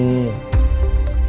aku mau ke rumah